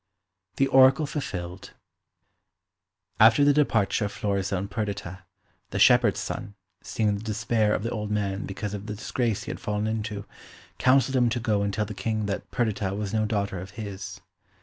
The Oracle Fulfilled After the departure of Florizel and Perdita, the shepherd's son, seeing the despair of the old man because of the disgrace he had fallen into, counselled him to go and tell the King that Perdita was no daughter of his.